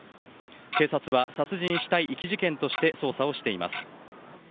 警察は殺人死体遺棄事件として捜査をしています。